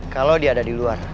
kalau dia ada di luar